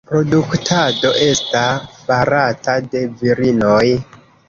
La produktado esta farata de virinoj.